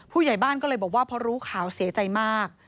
ผู้ใหญ่บ้านก็เลยบอกว่าพอรู้ข่าวเสียใจมาก